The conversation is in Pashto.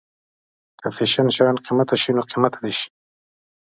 که فیشن شيان قیمته شي نو قیمته دې شي.